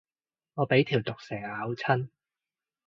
我俾條毒蛇咬親